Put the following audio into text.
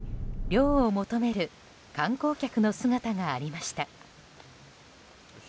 ここに、涼を求める観光客の姿がありました。